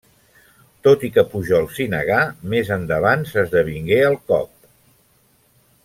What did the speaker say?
Tot i que Pujol s'hi negà, més endavant s'esdevingué el cop.